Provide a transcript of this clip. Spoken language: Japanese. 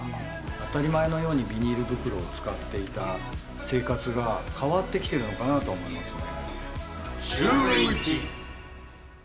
当たり前のようにビニール袋を使っていた生活が変わってきてるのシューイチ。